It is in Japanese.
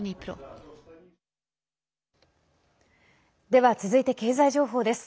では続いて経済情報です。